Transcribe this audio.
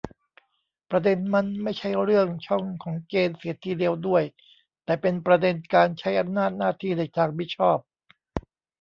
ประเด็นมันไม่ใช่เรื่องช่องของเกณฑ์เสียทีเดียวด้วย แต่เป็นประเด็นการใช้อำนาจหน้าที่ในทางมิชอบ